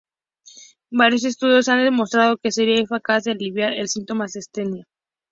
Varios estudios han demostrado que sería eficaz para aliviar los síntomas de la astenia.